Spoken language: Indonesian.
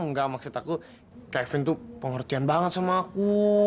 enggak maksud aku kevin tuh pengertian banget sama aku